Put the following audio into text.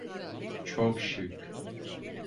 Çok şık.